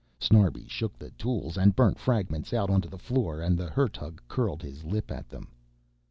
Snarbi shook the tools and burnt fragments out onto the floor and the Hertug curled his lip at them.